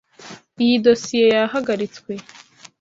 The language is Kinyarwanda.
Iyi dosiye yahagaritswe.